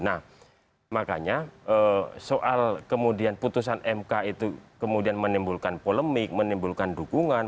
nah makanya soal kemudian putusan mk itu kemudian menimbulkan polemik menimbulkan dukungan